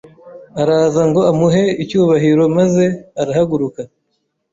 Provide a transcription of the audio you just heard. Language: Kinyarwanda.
araza ngo amuhe n’icyubaro maze arahaguruka